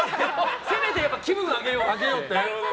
せめて気分は上げようと思って。